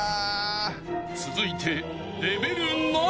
［続いて］